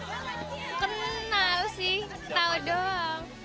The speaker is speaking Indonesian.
kenal sih tahu doang